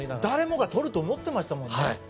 誰もが取ると思ってましたもんね